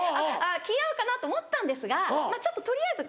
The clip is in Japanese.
気合うかなと思ったんですがちょっと取りあえず